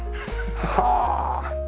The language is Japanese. はあ！